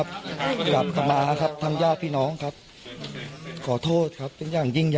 แล้วก็ได้คุยกับนายวิรพันธ์สามีของผู้ตายที่ว่าโดนกระสุนเฉียวริมฝีปากไปนะคะ